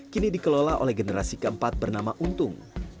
kini dikelola oleh generasi keempat bernama untung